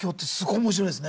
面白いですね。